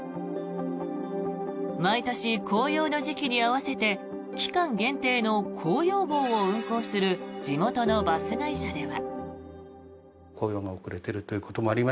毎年、紅葉の時期に合わせて期間限定の紅葉号を運行する地元のバス会社では。